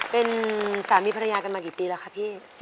เป็นสามีภรรยากันมากี่ปีแล้วคะพี่